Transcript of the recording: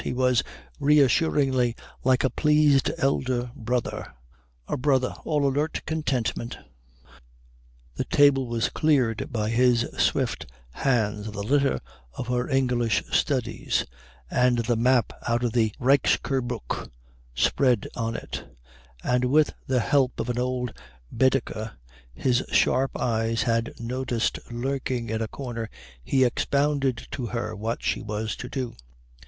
He was reassuringly like a pleased elder brother, a brother all alert contentment. The table was cleared by his swift hands of the litter of her English studies, and the map out of the Reichskursbuch spread on it; and with the help of an old Baedeker his sharp eyes had noticed lurking in a corner he expounded to her what she was to do.